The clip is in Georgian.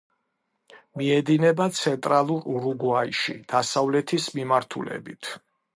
მიედინება ცენტრალურ ურუგვაიში, დასავლეთის მიმართულებით.